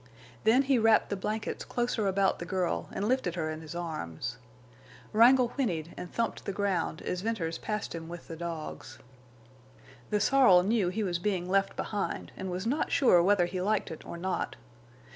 Then he wrapped the blankets closer about the girl and lifted her in his arms. Wrangle whinnied and thumped the ground as Venters passed him with the dogs. The sorrel knew he was being left behind, and was not sure whether he liked it or not.